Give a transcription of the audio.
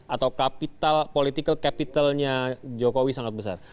atau kapital political capitalnya jokowi sangat besar